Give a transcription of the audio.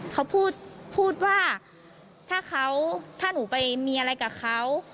เขาพูดพูดว่าถ้าเขาถ้าหนูไปมีอะไรกับเขา